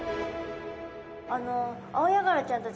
あのアオヤガラちゃんたち